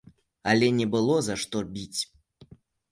Але не было за што біць.